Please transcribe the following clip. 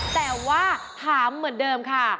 แต่ว่าถามเหมือนเดิมค่ะ